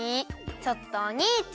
ちょっとおにいちゃん！